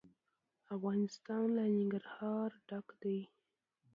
افغانستان له ننګرهار ډک دی.